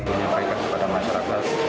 menyampaikan kepada masyarakat